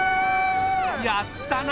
やったな！